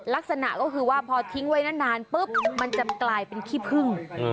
ลักษณะก็คือว่าพอทิ้งไว้นานปุ๊บมันจะกลายเป็นขี้พึ่ง